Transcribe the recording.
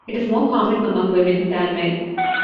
It is more common among women than men.